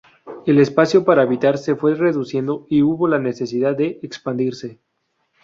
El espacio para habitar se fue reduciendo y hubo la necesidad de expandirse.